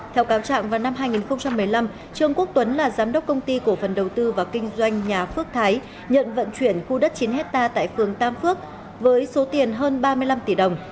theo cáo trạng vào năm hai nghìn một mươi năm trương quốc tuấn là giám đốc công ty cổ phần đầu tư và kinh doanh nhà phước thái nhận vận chuyển khu đất chín hectare tại phường tam phước với số tiền hơn ba mươi năm tỷ đồng